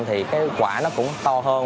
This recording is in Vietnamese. thì cái quả nó cũng to hơn